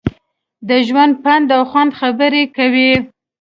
د ژوند، پند او خوند خبرې کوي.